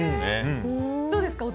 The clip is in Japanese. どうですか？